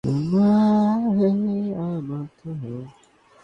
এরপর তাতে পেঁয়াজ কুচি দিয়ে হালকা ভেজে মাছ দিয়ে ভুনে নিন।